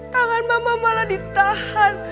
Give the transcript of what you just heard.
tangan mama malah ditahan